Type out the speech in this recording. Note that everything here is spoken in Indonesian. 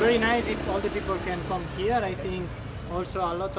saya pikir juga banyak peralatan